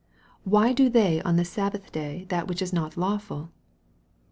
" Why do they on the Sabbath day that which is riot lawful